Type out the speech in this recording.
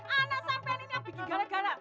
anak sampean ini yang bikin gara gara